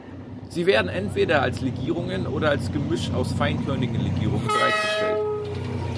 Sie werden entweder als Legierungen oder als Gemisch aus feinkörnigen Legierungen bereitgestellt.